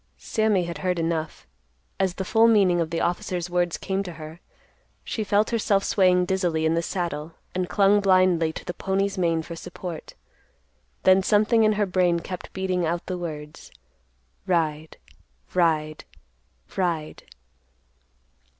Sammy had heard enough. As the full meaning of the officers' words came to her, she felt herself swaying dizzily in the saddle and clung blindly to the pony's mane for support. Then something in her brain kept beating out the words, "Ride, Ride, Ride."